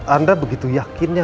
anda begitu yakinnya